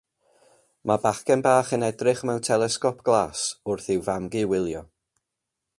Mae bachgen bach yn edrych mewn telesgop glas wrth i'w fam-gu wylio.